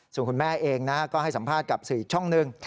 ส่วนคุณแม่เองนะก็ให้สัมภาษณ์กับสื่ออีกช่องหนึ่ง